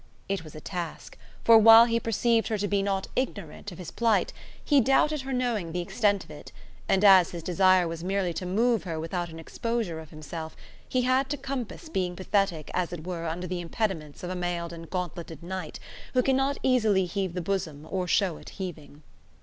It was a task; for while he perceived her to be not ignorant of his plight, he doubted her knowing the extent of it, and as his desire was merely to move her without an exposure of himself, he had to compass being pathetic as it were under the impediments of a mailed and gauntletted knight, who cannot easily heave the bosom, or show it heaving.